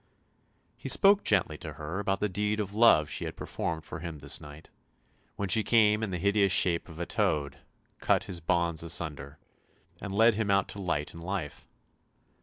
He spoke gently to her about the deed of love she had per formed for him this night, when she came in the hideous shape of a toad, cut his bonds asunder, and led him out to light and life.